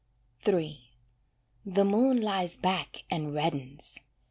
III The moon lies back and reddens.